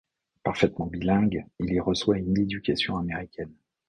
Parfaitement bilingue, il y reçoit une éducation américaine.